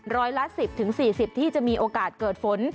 ร้อยละ๑๐๔๐ที่จะมีโอกาสเกิดฝน